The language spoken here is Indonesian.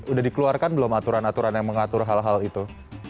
udah dikeluarkan belum aturan aturan yang mengatur hal hal itu